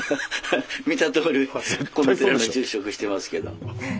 見たとおりこの寺の住職してますけど。